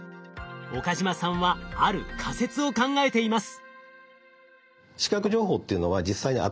岡嶋さんはある仮説を考えています。